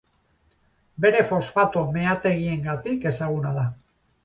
Bere fosfato meategiengatik ezaguna da.